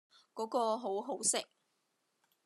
嗰個好好食